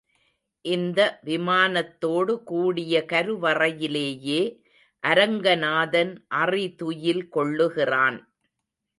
இந்த விமானத்தோடு கூடிய கருவறையிலேயே அரங்கநாதன் அறிதுயில் கொள்ளுகிறான்.